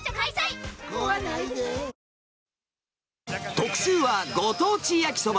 特集は、ご当地焼きそば。